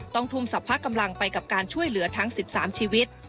ต้องทุ่มศัพท์พระกำลังไปกับการช่วยเหลือทั้ง๑๓ชีวิต